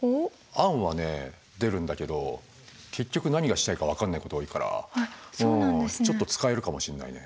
案はね出るんだけど結局何がしたいか分かんないこと多いからちょっと使えるかもしれないね。